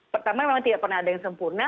pertama memang tidak pernah ada yang sempurna